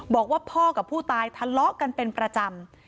บอกว่าพ่อกับผู้ตายทะเลาะกันเป็นประจำ